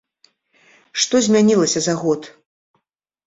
Што змянілася за год?